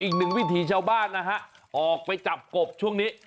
อีกหนึ่งวิถีชาวบ้านนะฮะออกไปจับกบช่วงนี้